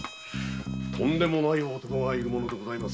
とんでもない男がいるものです。